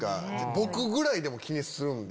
僕ぐらいでも気にするんで。